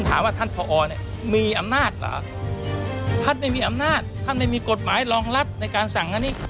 ถามว่าท่านผอเนี่ยมีอำนาจเหรอท่านไม่มีอำนาจท่านไม่มีกฎหมายรองรับในการสั่งอันนี้